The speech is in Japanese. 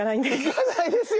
いかないですよ。